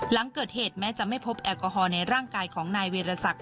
หลังเกิดเหตุแม้จะไม่พบแอลกอฮอลในร่างกายของนายเวรศักดิ